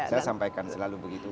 saya sampaikan selalu begitu